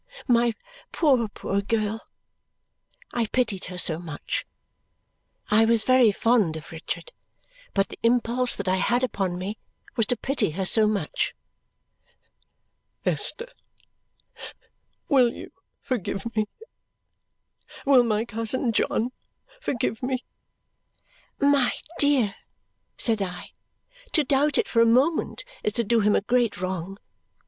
My poor, poor girl!" I pitied her so much. I was very fond of Richard, but the impulse that I had upon me was to pity her so much. "Esther, will you forgive me? Will my cousin John forgive me?" "My dear," said I, "to doubt it for a moment is to do him a great wrong.